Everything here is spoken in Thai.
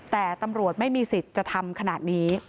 แต่ตำรวจไม่มีสิทธิ์จะทำขนาดนี้